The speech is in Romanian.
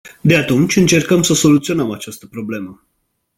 De atunci, încercăm să soluționăm această problemă.